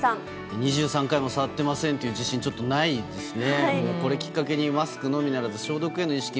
２３回も触ってませんという自信は、ちょっとないですね。